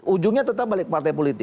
ujungnya tetap balik partai politik